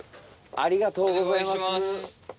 ありがとうございます。